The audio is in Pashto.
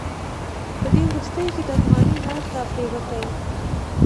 په دې وروستیو کې د افغانۍ نرخ راپریوتی.